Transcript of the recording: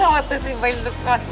waktu si boy lukas